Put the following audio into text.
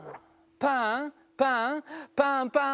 パンパンパンパン！